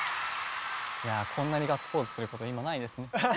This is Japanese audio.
こんなにガッツポーズすること今ないですね。